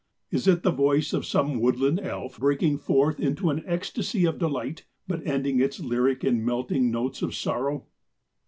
Is it the voice of some woodland elf, breaking forth into an ecstasy of delight, but ending its lyric in melting notes of sorrow?"